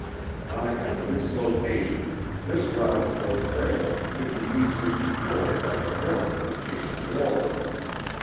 On account of its location this route or trail could be easily controlled by the North in case of war.